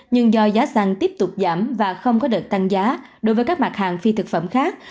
nhưng do giá xăng tiếp tục giảm và không có đợt tăng giá đối với các mặt hàng phi thực phẩm khác